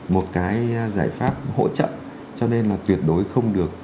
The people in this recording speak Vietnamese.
một cái giải pháp hỗ trợ cho nên là tuyệt đối không được